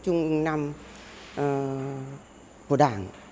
chung năm của đảng